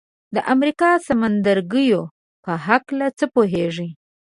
د امریکا د سمندرګیو په هکله څه پوهیږئ؟